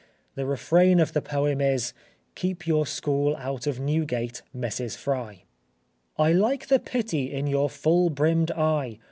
The refrain of the poem is "Keep your school out of Newgate, Mrs. Fry"— I like the pity in your full brimmed eye.